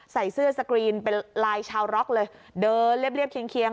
ใส่เสื้อสกรีนเป็นลายชาวร็อกเลยเดินเรียบเคียง